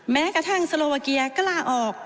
แม้กระทั่งสโลวาเกียก็ลาออก